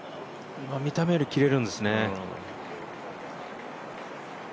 見た目より切れるんですね。